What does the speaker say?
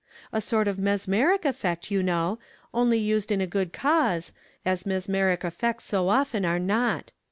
A sort of mesmeric effect, you know, only used in a good cause, as mesmeric effects so often are not.